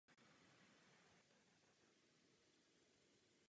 Stabilní jsou především klíčové dodávky projektu.